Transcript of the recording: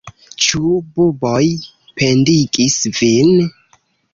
Ĉu buboj pendigis vin?